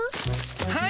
はい。